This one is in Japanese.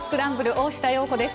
大下容子です。